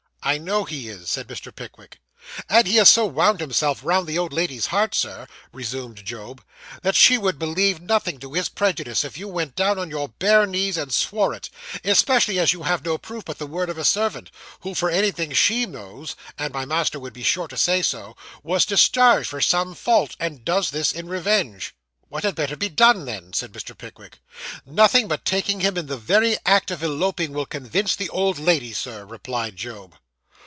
'I know he is,' said Mr. Pickwick. 'And he has so wound himself round the old lady's heart, Sir,' resumed Job, 'that she would believe nothing to his prejudice, if you went down on your bare knees, and swore it; especially as you have no proof but the word of a servant, who, for anything she knows (and my master would be sure to say so), was discharged for some fault, and does this in revenge.' 'What had better be done, then?' said Mr. Pickwick. 'Nothing but taking him in the very act of eloping, will convince the old lady, sir,' replied Job.